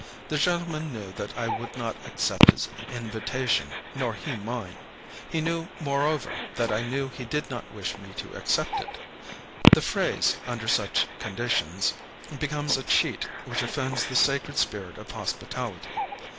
The gentleman knew that I would not accept his invitation, nor he mine; he knew, moreover, that I knew he did not wish me to accept it. The phrase, under such conditions, becomes a cheat which offends the sacred spirit of hospitality.